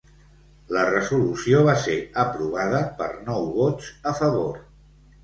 La resolució va ser aprovada per nou vots a favor.